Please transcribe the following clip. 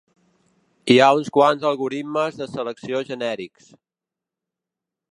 Hi ha uns quants algoritmes de selecció genèrics.